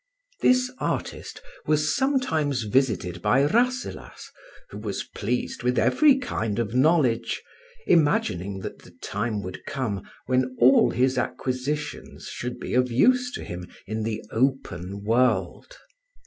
This artist was sometimes visited by Rasselas who was pleased with every kind of knowledge, imagining that the time would come when all his acquisitions should be of use to him in the open world.